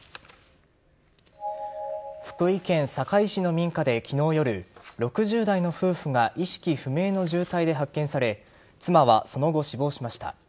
福井県坂井市の民家で昨日夜６０代の夫婦が意識不明の重体で発見され妻は、その後、死亡しました。